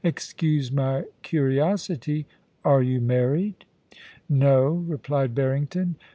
Excuse my curiosity — are you married ?No,' replied Barrington.